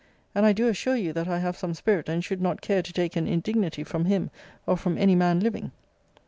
And I do assure you that I have some spirit, and should not care to take an indignity from him or from any man living.